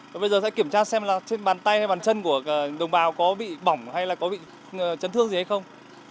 còn bây giờ sẽ kiểm tra xem là trên bàn tay hay bàn chân của đồng bào có bị bỏng hay là có bị chấn thương gì hay không